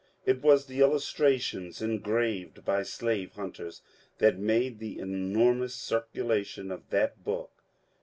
It was the illustrations engraved by slave hunters that made the enormous circulation of that book.